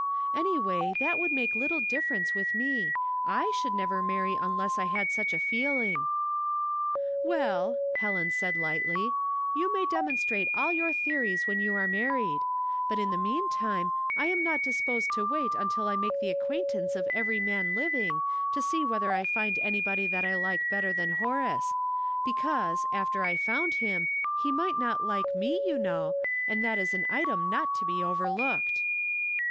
Anyway, that would make little difference with me. / should never marry unless I had such a feeling." " Well," Helen said, lightly, " you may dem onstrate all your theories when you are married ; but, in the meantime, I am not disposed to wait until I make the acquaintance of every man living to see whether I find anybody that I like better than Horace ; because, after I found him, he might not like me, you know, and that is an item not to be overlooked."